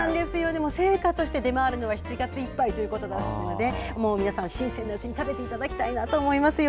青果として出回るのは７月いっぱいということなので新鮮なうちに食べていただきたいなと思います。